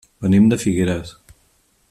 Venim de Figueres.